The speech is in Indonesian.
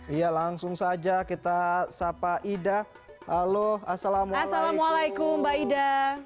iya langsung saja kita sapa ida halo assalamualaikum mbak ida